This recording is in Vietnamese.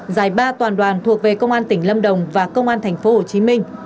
giải ba toàn đoàn thuộc về công an tỉnh lâm đồng và công an tp hcm